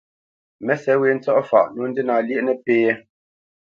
Mə́sɛ̌t wě ntsɔ̂faʼ nǒ ndína lyéʼ nəpí yɛ̌.